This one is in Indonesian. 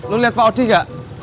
lo lihat pak odi gak